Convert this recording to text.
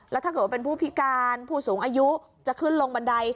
แล้วถ้าเกิดว่าเป็นผู้พิการผู้สูงอายุจะขึ้นลงบันได